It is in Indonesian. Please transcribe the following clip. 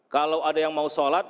kalau ada yang mau sholat